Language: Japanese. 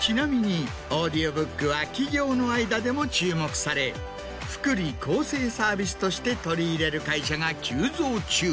ちなみにオーディオブックは企業の間でも注目され福利厚生サービスとして取り入れる会社が急増中。